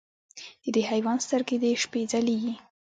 د دې حیوان سترګې د شپې ځلېږي.